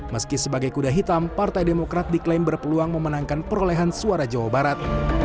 meski sebagai kuda hitam partai demokrat diklaim berpeluang memenangkan perolehan suara jawa barat